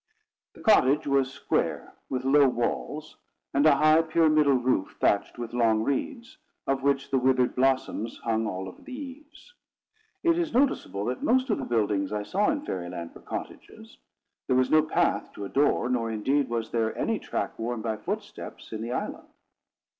The cottage was square, with low walls, and a high pyramidal roof thatched with long reeds, of which the withered blossoms hung over all the eaves. It is noticeable that most of the buildings I saw in Fairy Land were cottages. There was no path to a door, nor, indeed, was there any track worn by footsteps in the island.